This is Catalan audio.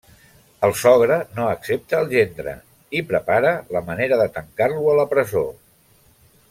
El sogre no accepta el gendre, i prepara la manera de tancar-lo a la presó.